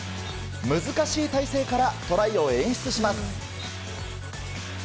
難しい体勢からトライを演出します。